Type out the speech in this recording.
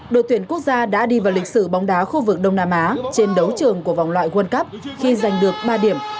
đội tuyển quốc gia đã đi vào lịch sử bóng đá khu vực đông nam á trên đấu trường của vòng loại world cup khi giành được ba điểm